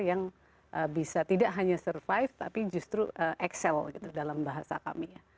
yang bisa tidak hanya survive tapi justru excel gitu dalam bahasa kami ya